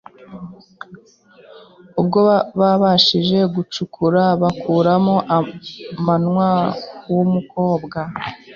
Ubwo babashije gucukura bakuramo amwana w’umukobwa